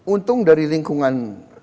untung dari lingkungan